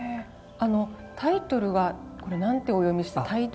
タイトルはこれ何てお読みして「胎動」。